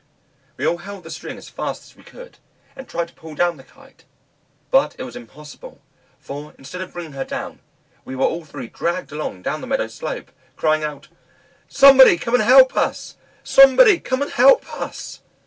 We all held the string as fast as we could, and tried to pull down the Kite; but it was impossible, for instead of bringing her down, we were all three dragged along down the meadow slope, crying out, "Somebody come and help us! somebody come and help us!"